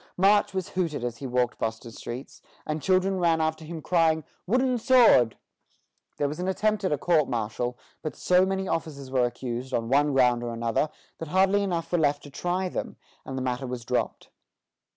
March was hooted as he walked Boston streets, and children ran after him crying, "Wooden sword!" There was an attempt at a court martial; but so many officers were accused, on one ground or another, that hardly enough were left to try them, and the matter was dropped.